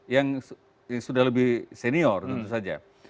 yang sudah lebih senior tentu saja